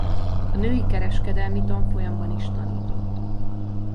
A női kereskedelmi tanfolyamban is tanított.